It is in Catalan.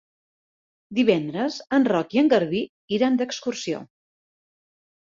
Divendres en Roc i en Garbí iran d'excursió.